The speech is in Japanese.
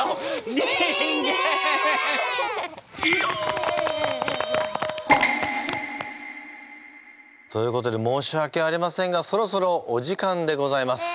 人間！ということで申し訳ありませんがそろそろお時間でございます。